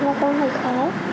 nó không hề khó